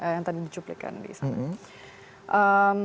yang tadi dicuplikan di sana